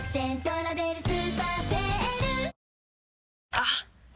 あっ！